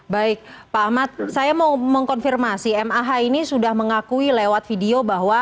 baik pak ahmad saya mau mengkonfirmasi mah ini sudah mengakui lewat video bahwa